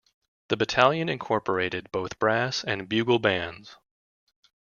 The battalion incorporated both brass and bugle bands.